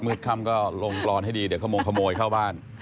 ค่ำก็ลงกรอนให้ดีเดี๋ยวขโมงขโมยเข้าบ้าน